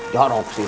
jarok sini mas